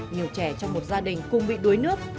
nhiều trẻ trong một gia đình cùng bị đuối nước